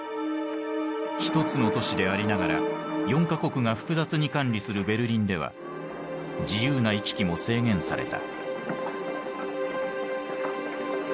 一つの都市でありながら４か国が複雑に管理するベルリンでは自由な行き来も制限された。